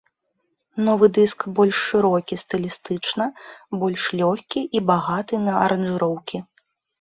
Новы дыск больш шырокі стылістычна, больш лёгкі і багаты на аранжыроўкі.